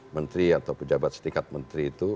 menteri atau pejabat setingkat menteri itu